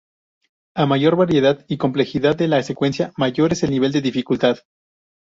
A mayor variedad y complejidad de la secuencia, mayor es el nivel de dificultad.